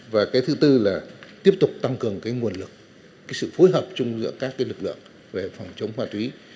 và cái thứ tư là tiếp tục tăng cường cái nguồn lực cái sự phối hợp chung giữa các cái lực lượng về phòng chống ma túy